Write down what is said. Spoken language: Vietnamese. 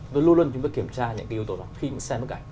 tôi luôn luôn kiểm tra những yếu tố đó khi xem bức ảnh